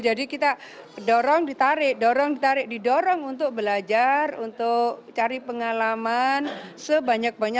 jadi kita dorong ditarik dorong ditarik didorong untuk belajar untuk cari pengalaman sebanyak banyak